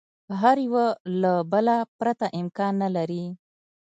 هر یوه له بله پرته امکان نه لري.